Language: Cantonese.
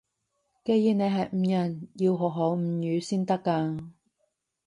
既然你係吳人，要學好吳語先得㗎